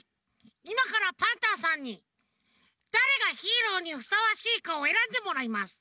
いまからパンタンさんにだれがヒーローにふさわしいかをえらんでもらいます。